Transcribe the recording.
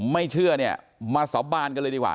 ไม่เชื่อเนี่ยมาสาบานกันเลยดีกว่า